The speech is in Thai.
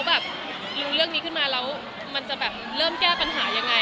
แบบรู้เรื่องนี้ขึ้นมาแล้วมันจะแบบเริ่มแก้ปัญหายังไง